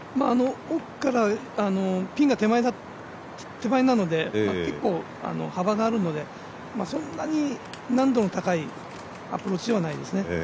奥からピンが手前なので幅があるのでそんなに難度の高いアプリーチではないですね。